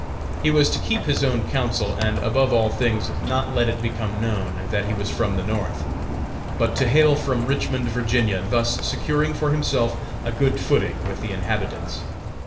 He was to keep his own counsel, and, above all things, not let it become known that he was from the North, but to hail from Richmond, Va., thus securing for himself a good footing with the inhabitants.